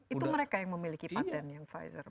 itu mereka yang memiliki patent yang pfizer